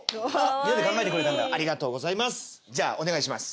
みんなで考えてくれたんだありがとうございますじゃあお願いします